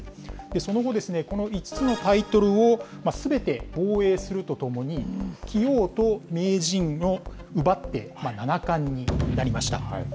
その後、この５つのタイトルをすべて防衛するとともに、棋王と名人を奪って、七冠になりました。